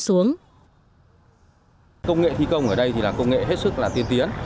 công nghệ thi công ở đây là công nghệ hết sức tiên tiến